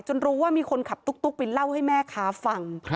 รู้ว่ามีคนขับตุ๊กไปเล่าให้แม่ค้าฟัง